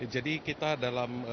jadi kita dalam